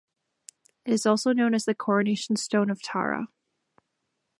It is also known as the Coronation Stone of Tara.